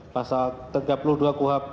pasal tiga puluh delapan kuhab